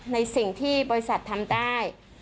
ในสิ่งที่บริษัททำได้